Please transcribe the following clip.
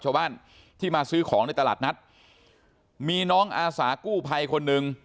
ชาวบ้านที่มาซื้อของในตลาดนัดมีน้องอาสากู้ภัยคนหนึ่ง